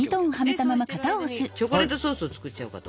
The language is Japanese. でそうしてる間にチョコレートソースを作っちゃおうかと。